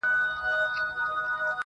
لري دوه تفسیرونه ستا د دزلفو ولونه ولونه-